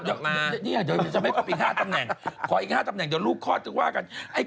เดี๋ยวกระทั่งลูกก็ต้องรอดออกมา